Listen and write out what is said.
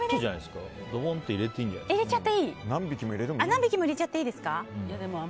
何匹も入れちゃっていいですか。